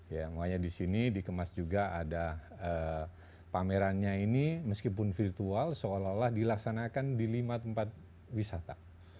ya makanya di sini dikemas juga ada pamerannya ini meskipun virtual seolah olah dilaksanakan di lima tempat wisata